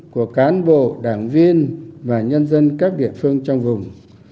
của cán bộ đảng viên và nhân dân các địa phương trong vùng